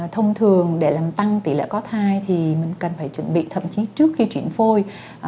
thông thường để làm tăng tỷ lệ có thai thì mình cần phải chuẩn bị thậm chí trước khi chuyển phôi